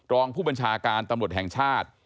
รองผู้บัญชาการตำรวจแห่งชาติ